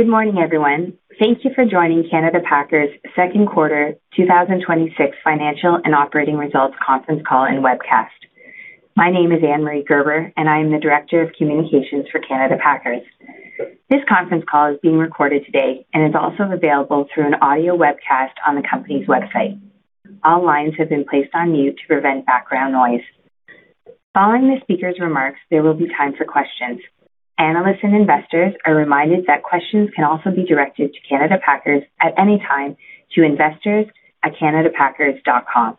Good morning, everyone. Thank you for joining Canada Packers' second quarter 2026 financial and operating results conference call and webcast. My name is Annemarie Gerber, and I am the Director of Communications for Canada Packers. This conference call is being recorded today and is also available through an audio webcast on the company's website. All lines have been placed on mute to prevent background noise. Following the speaker's remarks, there will be time for questions. Analysts and investors are reminded that questions can also be directed to Canada Packers at any time to investors@canadapackers.com.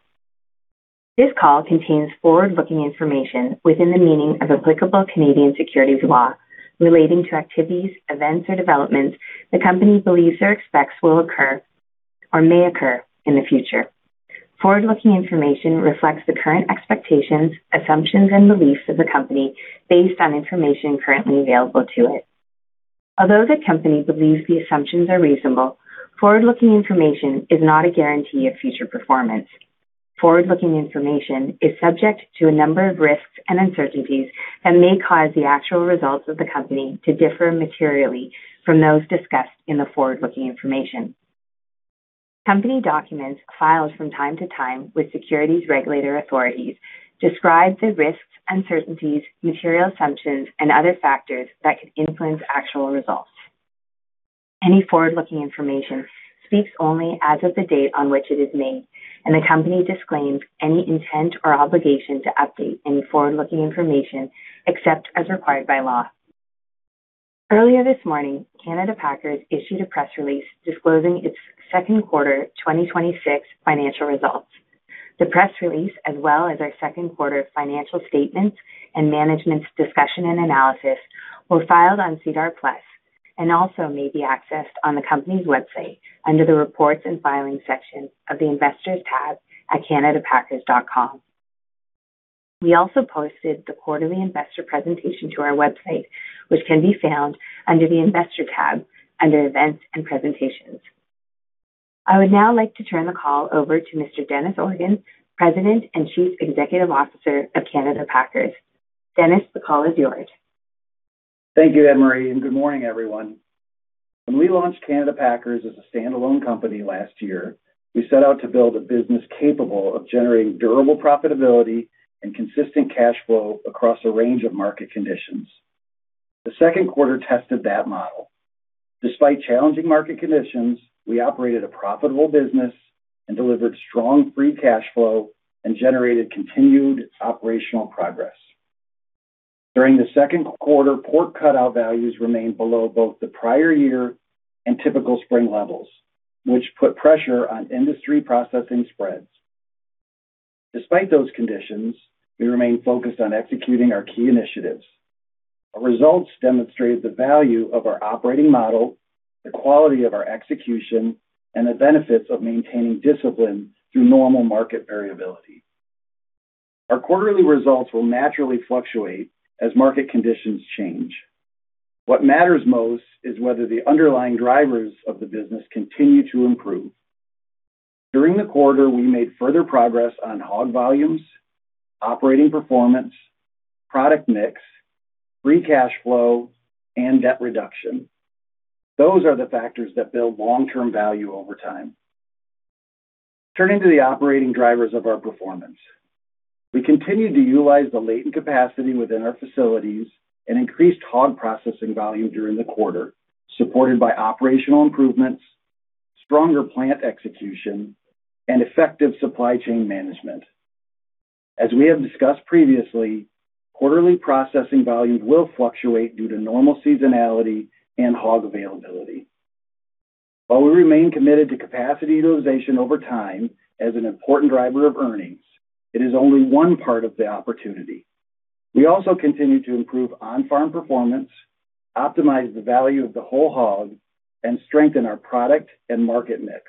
This call contains forward-looking information within the meaning of applicable Canadian securities law relating to activities, events, or developments the company believes or expects will occur or may occur in the future. Forward-looking information reflects the current expectations, assumptions, and beliefs of the company based on information currently available to it. Although the company believes the assumptions are reasonable, forward-looking information is not a guarantee of future performance. Forward-looking information is subject to a number of risks and uncertainties that may cause the actual results of the company to differ materially from those discussed in the forward-looking information. Company documents filed from time to time with securities regulator authorities describe the risks, uncertainties, material assumptions, and other factors that could influence actual results. Any forward-looking information speaks only as of the date on which it is made, and the company disclaims any intent or obligation to update any forward-looking information, except as required by law. Earlier this morning, Canada Packers issued a press release disclosing its second quarter 2026 financial results. The press release, as well as our second quarter financial statements and management's discussion and analysis, were filed on SEDAR+ and also may be accessed on the company's website under the Reports and Filings section of the Investors tab at canadapackers.com. We also posted the quarterly investor presentation to our website, which can be found under the Investor tab under Events and Presentations. I would now like to turn the call over to Mr. Dennis Organ, President and Chief Executive Officer of Canada Packers. Dennis, the call is yours. Thank you, Annemarie. Good morning, everyone. When we launched Canada Packers as a standalone company last year, we set out to build a business capable of generating durable profitability and consistent free cash flow across a range of market conditions. The second quarter tested that model. Despite challenging market conditions, we operated a profitable business and delivered strong free cash flow and generated continued operational progress. During the second quarter, pork cutout values remained below both the prior year and typical spring levels, which put pressure on industry processing spreads. Despite those conditions, we remain focused on executing our key initiatives. Our results demonstrated the value of our operating model, the quality of our execution, and the benefits of maintaining discipline through normal market variability. Our quarterly results will naturally fluctuate as market conditions change. What matters most is whether the underlying drivers of the business continue to improve. During the quarter, we made further progress on hog volumes, operating performance, product mix, free cash flow, and debt reduction. Those are the factors that build long-term value over time. Turning to the operating drivers of our performance. We continued to utilize the latent capacity within our facilities and increased hog processing volume during the quarter, supported by operational improvements, stronger plant execution, and effective supply chain management. As we have discussed previously, quarterly processing volumes will fluctuate due to normal seasonality and hog availability. While we remain committed to capacity utilization over time as an important driver of earnings, it is only one part of the opportunity. We also continue to improve on-farm performance, optimize the value of the whole hog, and strengthen our product and market mix.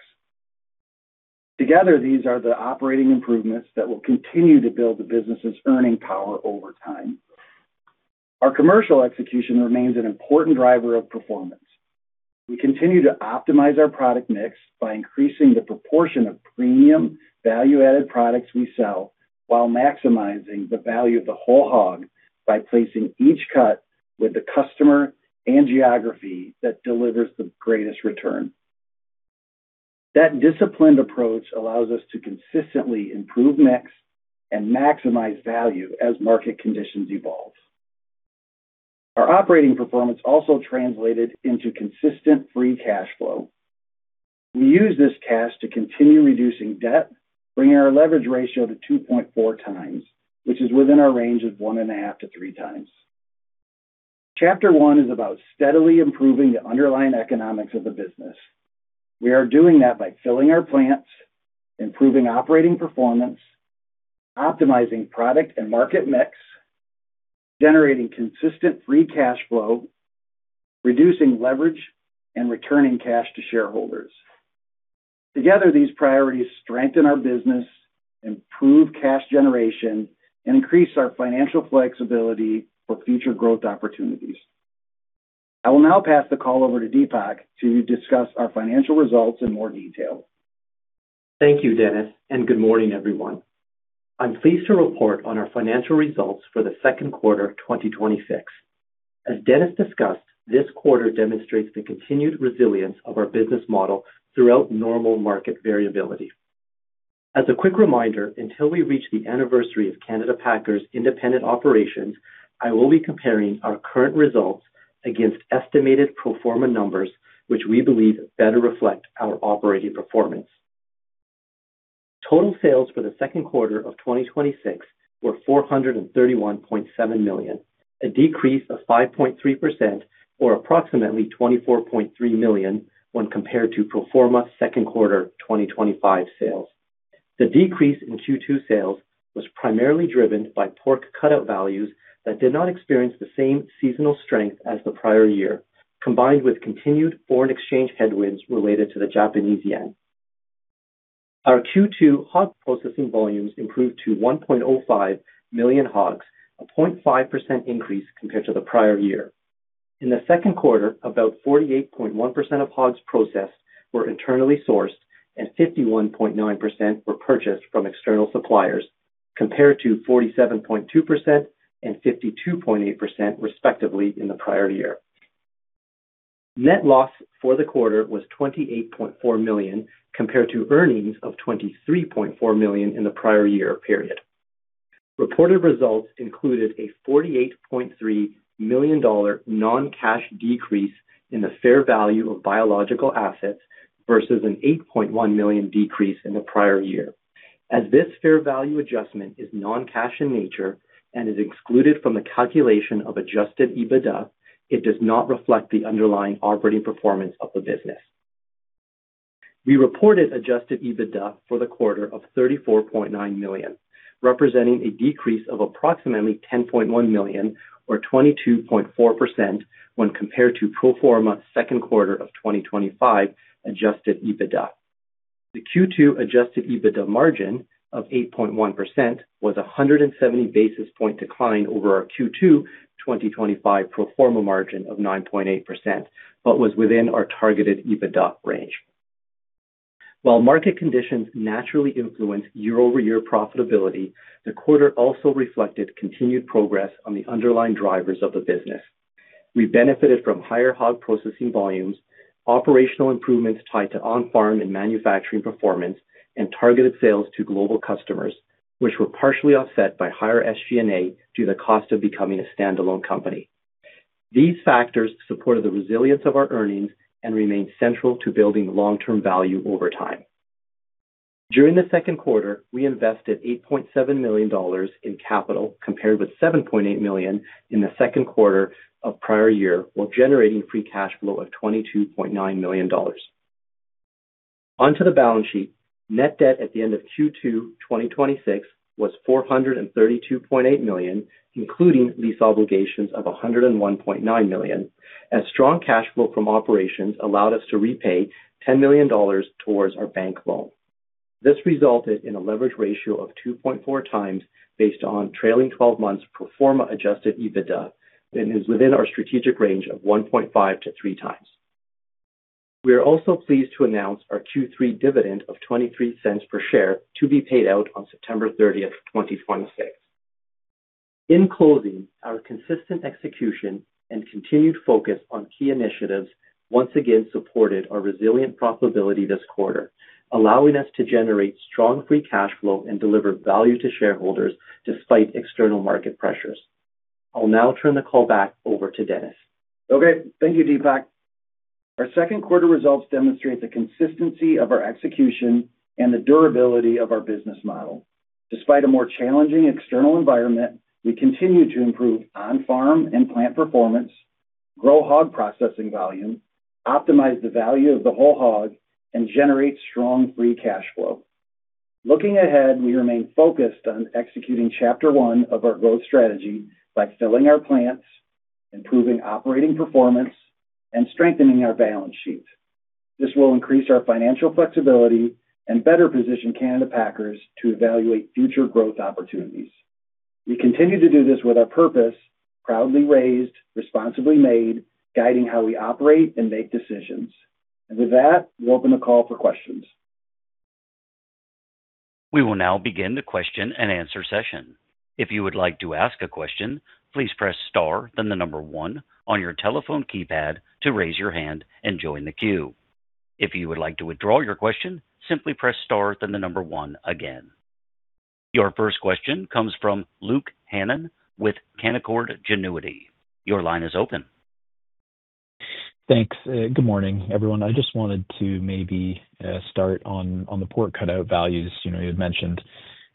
Together, these are the operating improvements that will continue to build the business's earning power over time. Our commercial execution remains an important driver of performance. We continue to optimize our product mix by increasing the proportion of premium value-added products we sell while maximizing the value of the whole hog by placing each cut with the customer and geography that delivers the greatest return. That disciplined approach allows us to consistently improve mix and maximize value as market conditions evolve. Our operating performance also translated into consistent free cash flow. We use this cash to continue reducing debt, bringing our leverage ratio to 2.4x, which is within our range of 1.5x to 3x. Chapter one is about steadily improving the underlying economics of the business. We are doing that by filling our plants, improving operating performance, optimizing product and market mix, generating consistent free cash flow, reducing leverage, and returning cash to shareholders. Together, these priorities strengthen our business, improve cash generation, and increase our financial flexibility for future growth opportunities. I will now pass the call over to Deepak to discuss our financial results in more detail. Thank you, Dennis, and good morning, everyone. I'm pleased to report on our financial results for the second quarter of 2026. As Dennis discussed, this quarter demonstrates the continued resilience of our business model throughout normal market variability. As a quick reminder, until we reach the anniversary of Canada Packers' independent operations, I will be comparing our current results against estimated pro forma numbers, which we believe better reflect our operating performance. Total sales for the second quarter of 2026 were 431.7 million, a decrease of 5.3%, or approximately 24.3 million, when compared to pro forma second quarter 2025 sales. The decrease in Q2 sales was primarily driven by pork cutout values that did not experience the same seasonal strength as the prior year, combined with continued foreign exchange headwinds related to the Japanese yen. Our Q2 hog processing volumes improved to 1.05 million hogs, a 0.5% increase compared to the prior year. In the second quarter, about 48.1% of hogs processed were internally sourced, and 51.9% were purchased from external suppliers, compared to 47.2% and 52.8% respectively in the prior year. Net loss for the quarter was 28.4 million, compared to earnings of 23.4 million in the prior year period. Reported results included a 48.3 million dollar non-cash decrease in the fair value of biological assets versus a 8.1 million decrease in the prior year. As this fair value adjustment is non-cash in nature and is excluded from the calculation of adjusted EBITDA, it does not reflect the underlying operating performance of the business. We reported adjusted EBITDA for the quarter of 34.9 million, representing a decrease of approximately 10.1 million or 22.4% when compared to pro forma second quarter of 2025 adjusted EBITDA. The Q2 adjusted EBITDA margin of 8.1% was 170 basis point decline over our Q2 2025 pro forma margin of 9.8%, but was within our targeted EBITDA range. While market conditions naturally influence year-over-year profitability, the quarter also reflected continued progress on the underlying drivers of the business. We benefited from higher hog processing volumes, operational improvements tied to on-farm and manufacturing performance, and targeted sales to global customers, which were partially offset by higher SG&A due to the cost of becoming a standalone company. These factors supported the resilience of our earnings and remain central to building long-term value over time. During the second quarter, we invested 8.7 million dollars in capital, compared with 7.8 million in the second quarter of prior year, while generating free cash flow of 22.9 million dollars. Onto the balance sheet, net debt at the end of Q2 2026 was 432.8 million, including lease obligations of 101.9 million, as strong cash flow from operations allowed us to repay 10 million dollars towards our bank loan. This resulted in a leverage ratio of 2.4x based on trailing 12 months pro forma adjusted EBITDA and is within our strategic range of 1.5x to 3x. We are also pleased to announce our Q3 dividend of 0.23 per share to be paid out on September 30th, 2026. In closing, our consistent execution and continued focus on key initiatives once again supported our resilient profitability this quarter, allowing us to generate strong free cash flow and deliver value to shareholders despite external market pressures. I'll now turn the call back over to Dennis. Thank you, Deepak. Our second quarter results demonstrate the consistency of our execution and the durability of our business model. Despite a more challenging external environment, we continue to improve on-farm and plant performance, grow hog processing volume, optimize the value of the whole hog, and generate strong free cash flow. Looking ahead, we remain focused on executing chapter one of our growth strategy by filling our plants, improving operating performance, and strengthening our balance sheet. This will increase our financial flexibility and better position Canada Packers to evaluate future growth opportunities. We continue to do this with our purpose, proudly raised, responsibly made, guiding how we operate and make decisions. And with that, we'll open the call for questions. We will now begin the question and answer session. If you would like to ask a question, please press star then the number one on your telephone keypad to raise your hand and join the queue. If you would like to withdraw your question, simply press star then the number one again. Your first question comes from Luke Hannan with Canaccord Genuity. Your line is open. Thanks. Good morning, everyone. I just wanted to maybe start on the pork cutout values. You had mentioned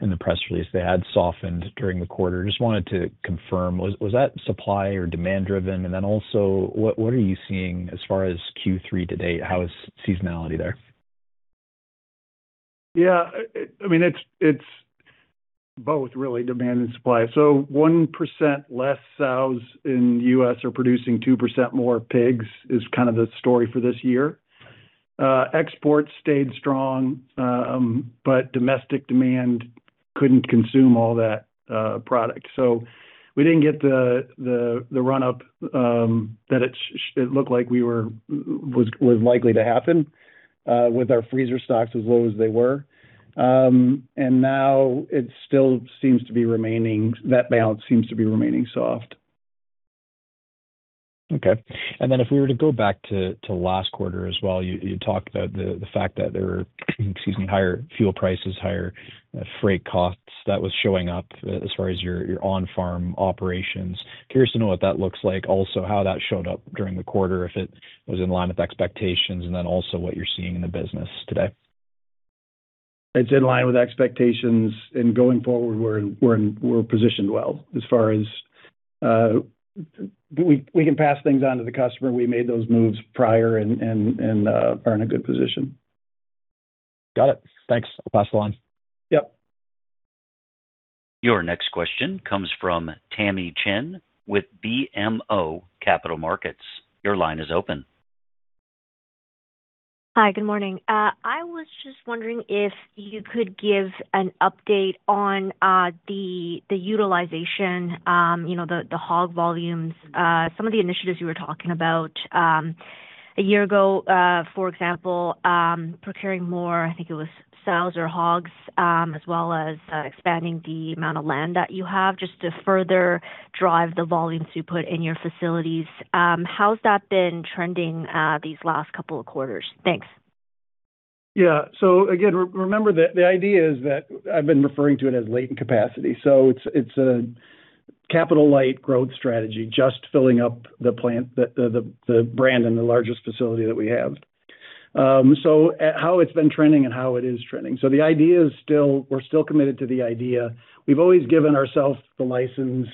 in the press release they had softened during the quarter. Just wanted to confirm, was that supply or demand driven? Also, what are you seeing as far as Q3 to date? How is seasonality there? Yeah. It's both, really, demand and supply. 1% less sows in U.S. are producing 2% more pigs is kind of the story for this year. Exports stayed strong, domestic demand couldn't consume all that product. We didn't get the run-up that it looked like was likely to happen with our freezer stocks as low as they were. Now it still seems to be remaining, that balance seems to be remaining soft. Okay. If we were to go back to last quarter as well, you talked about the fact that there were, excuse me, higher fuel prices, higher freight costs that was showing up as far as your on-farm operations. Curious to know what that looks like, also, how that showed up during the quarter, if it was in line with expectations, what you're seeing in the business today. It's in line with expectations. Going forward, we're positioned well as far as we can pass things on to the customer. We made those moves prior and are in a good position. Got it. Thanks. I'll pass along. Yep. Your next question comes from Tamy Chen with BMO Capital Markets. Your line is open. Hi. Good morning. I was just wondering if you could give an update on the utilization, the hog volumes, some of the initiatives you were talking about. A year ago, for example, procuring more, I think it was sows or hogs, as well as expanding the amount of land that you have, just to further drive the volumes you put in your facilities. How's that been trending these last couple of quarters? Thanks. Yeah. Again, remember that the idea is that I've been referring to it as latent capacity. It's a capital-light growth strategy, just filling up the plant, the Brandon, the largest facility that we have. How it's been trending and how it is trending. The idea is we're still committed to the idea. We've always given ourselves the license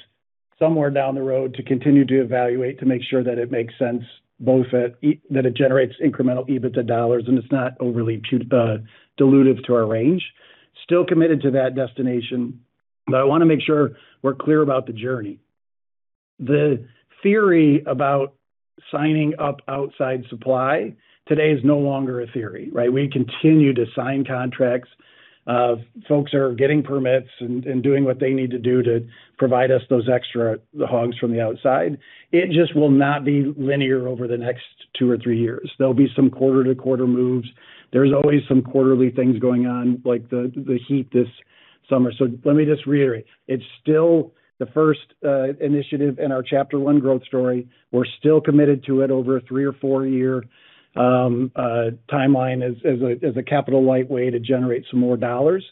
somewhere down the road to continue to evaluate to make sure that it makes sense, both that it generates incremental EBITDA dollars and it's not overly dilutive to our range. Still committed to that destination, but I want to make sure we're clear about the journey. The theory about signing up outside supply today is no longer a theory, right? We continue to sign contracts. Folks are getting permits and doing what they need to do to provide us those extra hogs from the outside. It just will not be linear over the next two or three years. There'll be some quarter-to-quarter moves. There's always some quarterly things going on, like the heat this summer. Let me just reiterate, it's still the first initiative in our chapter one growth story. We're still committed to it over a three or four-year timeline as a capital-light way to generate some more dollars.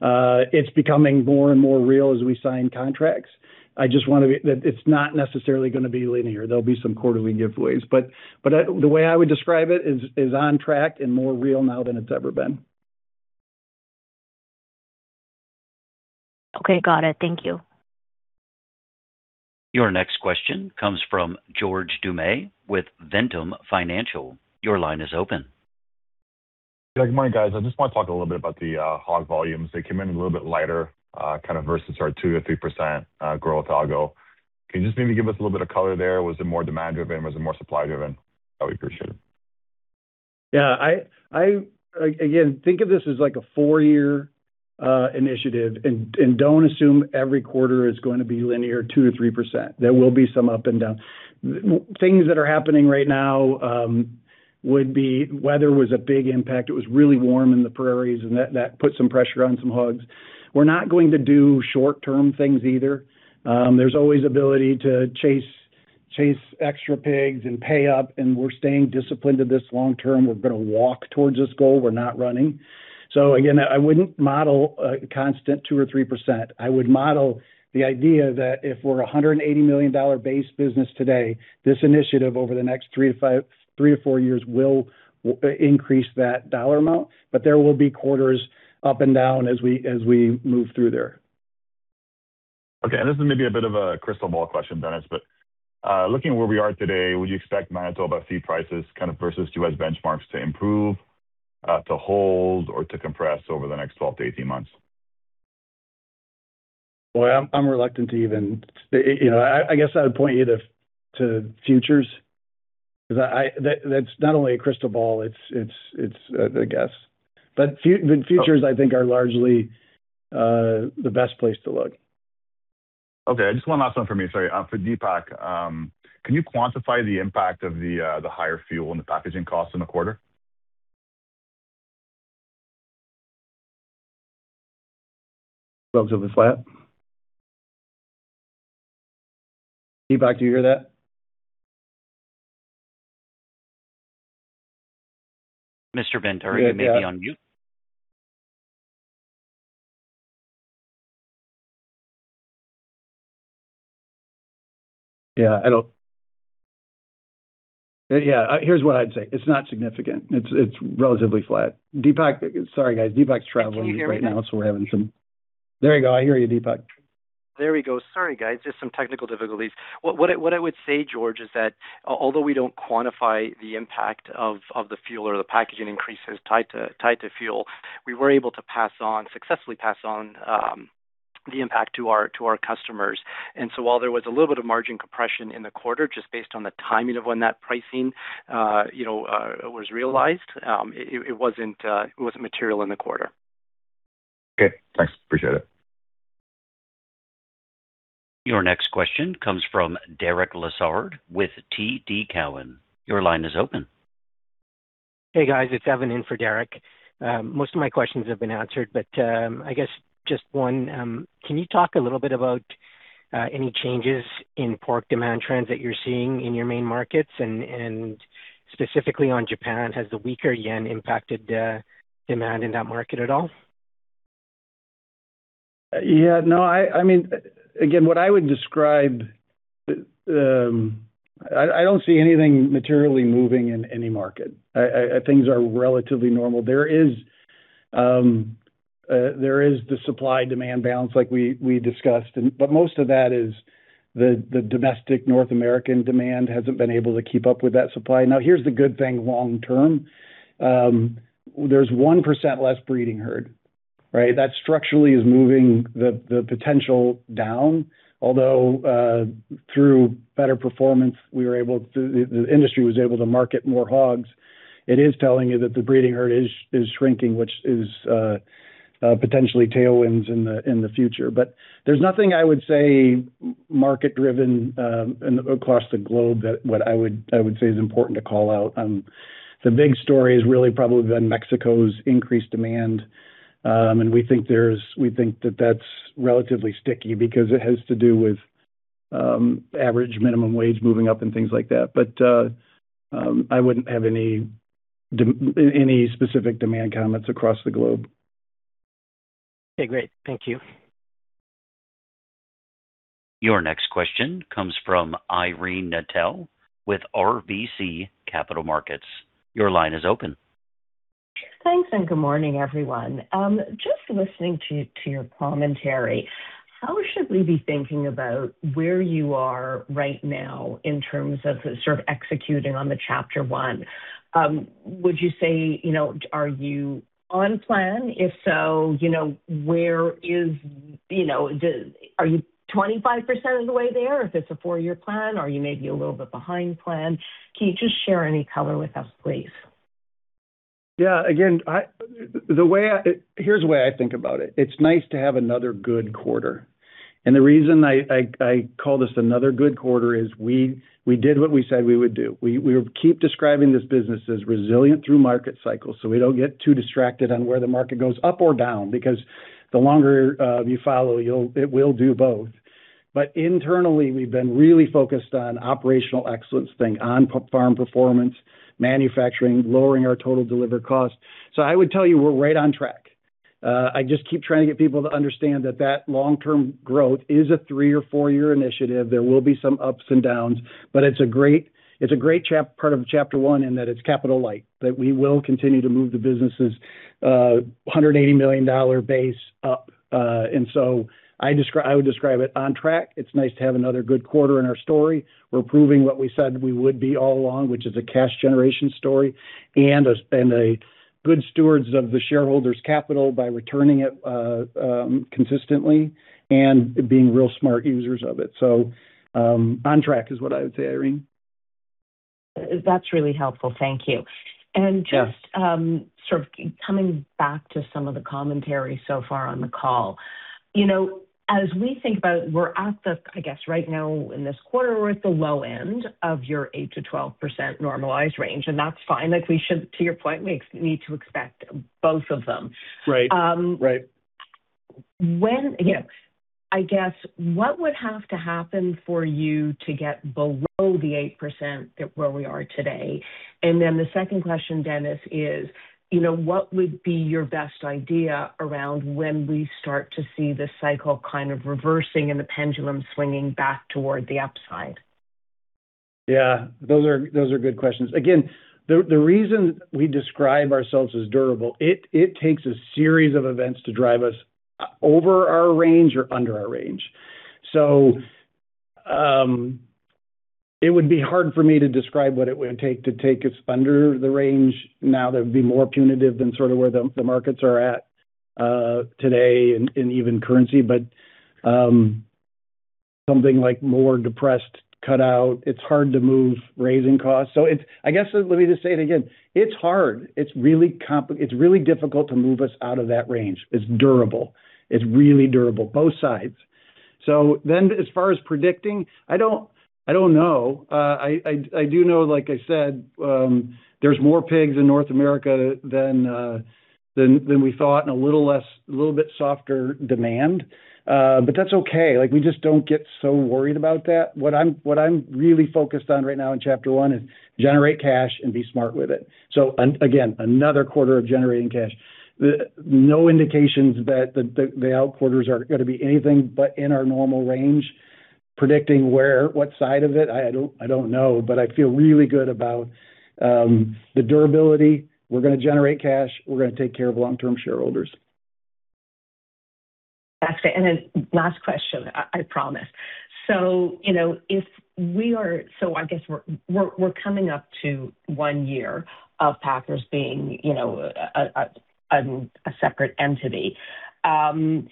It's becoming more and more real as we sign contracts. It's not necessarily going to be linear. There'll be some quarterly giveaways, but the way I would describe it is on track and more real now than it's ever been. Okay. Got it. Thank you. Your next question comes from George Doumet with Ventum Financial. Your line is open. Yeah. Good morning, guys. I just want to talk a little bit about the hog volumes. They came in a little bit lighter, kind of versus our 2%-3% growth a ago. Can you just maybe give us a little bit of color there? Was it more demand-driven? Was it more supply-driven? I would appreciate it. Yeah. Again, think of this as a four-year initiative. Don't assume every quarter is going to be linear 2%-3%. There will be some up and down. Things that are happening right now would be weather was a big impact. It was really warm in the prairies, and that put some pressure on some hogs. We're not going to do short-term things either. There's always ability to chase extra pigs and pay up, and we're staying disciplined to this long term. We're going to walk towards this goal. We're not running. Again, I wouldn't model a constant 2% or 3%. I would model the idea that if we're 180 million dollar base business today, this initiative over the next three to four years will increase that dollar amount, but there will be quarters up and down as we move through there. Okay. This is maybe a bit of a crystal ball question, Dennis, but looking where we are today, would you expect Manitoba feed prices versus U.S. benchmarks to improve, to hold, or to compress over the next 12 to 18 months? Boy, I'm reluctant to even I guess I would point you to futures, because that's not only a crystal ball, it's a guess. Futures, I think, are largely the best place to look. Okay. Just one last one for me. Sorry. For Deepak. Can you quantify the impact of the higher fuel and the packaging cost in the quarter? Relatively flat. Deepak, do you hear that? Mr. Bhandari, you may be on mute. Yeah, I don't. Here's what I'd say. It's not significant. It's relatively flat. Deepak, sorry, guys. Deepak's traveling right now. There we go. I hear you, Deepak. There we go. Sorry, guys, just some technical difficulties. What I would say, George, is that although we don't quantify the impact of the fuel or the packaging increases tied to fuel, we were able to successfully pass on The impact to our customers. While there was a little bit of margin compression in the quarter, just based on the timing of when that pricing was realized, it wasn't material in the quarter. Okay, thanks. Appreciate it. Your next question comes from Derek Lessard with TD Cowen. Your line is open. Hey, guys, it's Evan in for Derek. Most of my questions have been answered, but I guess just one. Can you talk a little bit about any changes in pork demand trends that you're seeing in your main markets? Specifically on Japan, has the weaker yen impacted the demand in that market at all? Yeah, no. Again, what I would describe, I don't see anything materially moving in any market. Things are relatively normal. There is the supply-demand balance like we discussed, Most of that is the domestic North American demand hasn't been able to keep up with that supply. Now, here's the good thing long term. There's 1% less breeding herd. That structurally is moving the potential down. Although, through better performance, the industry was able to market more hogs. It is telling you that the breeding herd is shrinking, which is potentially tailwinds in the future. There's nothing, I would say, market-driven across the globe that I would say is important to call out. The big story has really probably been Mexico's increased demand. We think that that's relatively sticky because it has to do with average minimum wage moving up and things like that. I wouldn't have any specific demand comments across the globe. Okay, great. Thank you. Your next question comes from Irene Nattel with RBC Capital Markets. Your line is open. Thanks. Good morning, everyone. Just listening to your commentary, how should we be thinking about where you are right now in terms of sort of executing on the chapter one? Would you say, are you on plan? If so, are you 25% of the way there if it's a four-year plan? Are you maybe a little bit behind plan? Can you just share any color with us, please? Yeah. Here's the way I think about it. It's nice to have another good quarter. The reason I call this another good quarter is we did what we said we would do. We keep describing this business as resilient through market cycles, so we don't get too distracted on where the market goes up or down, because the longer you follow, it will do both. Internally, we've been really focused on operational excellence thing, on-farm performance, manufacturing, lowering our total delivered cost. I would tell you we're right on track. I just keep trying to get people to understand that that long-term growth is a three or four-year initiative. There will be some ups and downs, but it's a great part of chapter one in that it's capital light, that we will continue to move the businesses 180 million dollar base up. I would describe it on track. It's nice to have another good quarter in our story. We're proving what we said we would be all along, which is a cash generation story and a good steward of the shareholders' capital by returning it consistently and being real smart users of it. On track is what I would say, Irene. That's really helpful. Thank you. Yeah. Just sort of coming back to some of the commentary so far on the call. As we think about we're at the, I guess, right now in this quarter, we're at the low end of your 8%-12% normalized range, and that's fine. To your point, we need to expect both of them. Right. I guess, what would have to happen for you to get below the 8% where we are today? The second question, Dennis, is, what would be your best idea around when we start to see the cycle kind of reversing and the pendulum swinging back toward the upside? Those are good questions. Again, the reason we describe ourselves as durable, it takes a series of events to drive us over our range or under our range. It would be hard for me to describe what it would take to take us under the range now that would be more punitive than sort of where the markets are at today in even currency. But something like more depressed cutout. It's hard to move raising costs. I guess, let me just say it again. It's hard. It's really difficult to move us out of that range. It's durable. It's really durable, both sides. As far as predicting, I don't know. I do know, like I said, there's more pigs in North America than we thought and a little bit softer demand. That's okay. We just don't get so worried about that. What I'm really focused on right now in chapter one is generate cash and be smart with it. Again, another quarter of generating cash. No indications that the out quarters are going to be anything but in our normal range. Predicting what side of it, I don't know, but I feel really good about the durability. We're going to generate cash. We're going to take care of long-term shareholders. That's it. Then last question, I promise. I guess we're coming up to one year of Packers being a separate entity. Is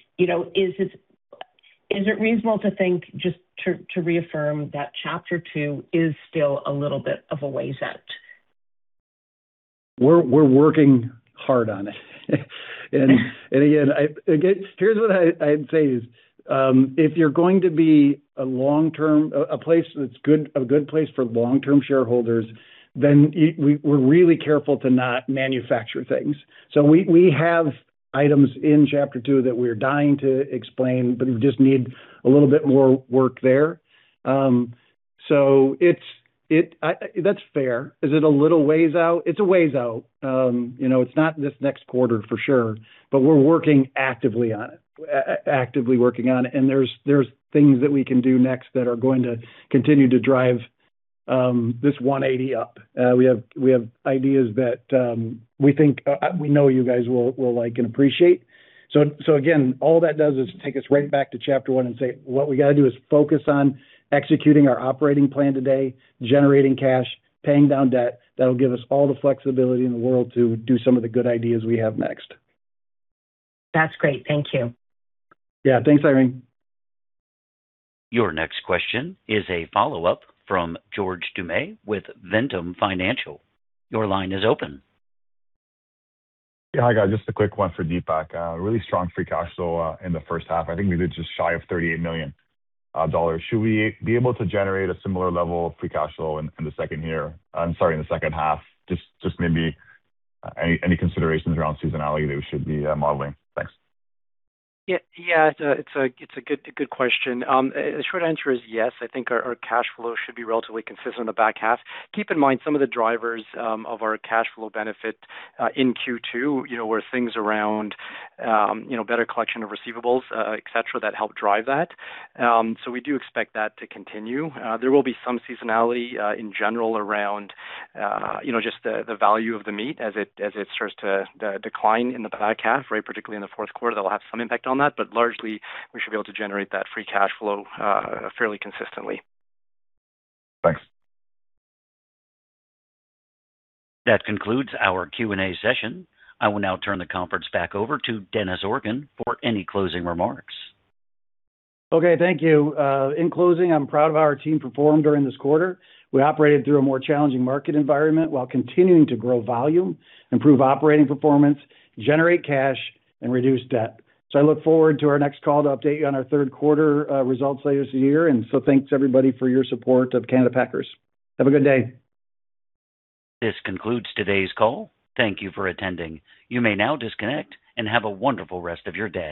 it reasonable to think, just to reaffirm, that chapter two is still a little bit of a ways out? We're working hard on it. Again, here's what I'd say is, if you're going to be a good place for long-term shareholders, we're really careful to not manufacture things. We have items in chapter two that we're dying to explain, but we just need a little bit more work there. That's fair. Is it a little ways out? It's a ways out. It's not this next quarter, for sure, but we're working actively on it. There's things that we can do next that are going to continue to drive this 180 up. We have ideas that we know you guys will like and appreciate. Again, all that does is take us right back to chapter one and say what we got to do is focus on executing our operating plan today, generating cash, paying down debt. That'll give us all the flexibility in the world to do some of the good ideas we have next. That's great. Thank you. Yeah. Thanks, Irene. Your next question is a follow-up from George Doumet with Ventum Financial. Your line is open. Yeah, hi, guys. Just a quick one for Deepak. A really strong free cash flow in the first half. I think we did just shy of 38 million dollars. Should we be able to generate a similar level of free cash flow in the second half? Just maybe any considerations around seasonality that we should be modeling? Thanks. Yeah. It is a good question. The short answer is yes, I think our cash flow should be relatively consistent in the back half. Keep in mind, some of the drivers of our cash flow benefit in Q2 were things around better collection of receivables, et cetera, that help drive that. We do expect that to continue. There will be some seasonality, in general, around just the value of the meat as it starts to decline in the back half, particularly in the fourth quarter. That will have some impact on that, but largely, we should be able to generate that free cash flow fairly consistently. Thanks. That concludes our Q&A session. I will now turn the conference back over to Dennis Organ for any closing remarks. Okay, thank you. In closing, I am proud of how our team performed during this quarter. We operated through a more challenging market environment while continuing to grow volume, improve operating performance, generate cash, and reduce debt. I look forward to our next call to update you on our third quarter results later this year. Thanks, everybody, for your support of Canada Packers. Have a good day. This concludes today's call. Thank you for attending. You may now disconnect and have a wonderful rest of your day.